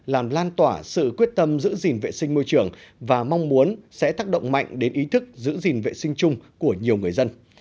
làm lan tỏa sự quyết tâm giữ gìn vệ sinh môi trường và mong muốn sẽ tác động mạnh đến ý thức giữ gìn vệ sinh chung của nhiều người dân